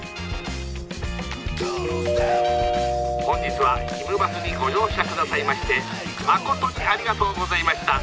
「本日はひむバスにご乗車下さいましてまことにありがとうございました。